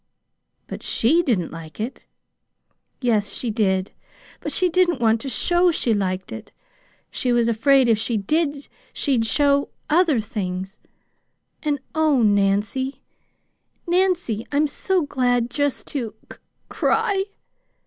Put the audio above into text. "But SHE didn't like it." "Yes, she did. But she didn't want to show she liked it. She was afraid if she did she'd show other things, and Oh, Nancy, Nancy, I'm so glad just to c cry!"